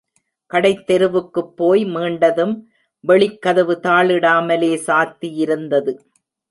கடைத்தெருவுக்குப் போய் மீண்டதும் வெளிக்கதவு தாளிடாமலே சாத்தியிருந்தது.